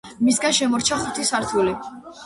მისგან შემორჩა ხუთი სართული.